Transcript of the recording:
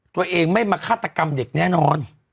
ตัวเองไม่มาฆาตกรรมเด็กแน่นอน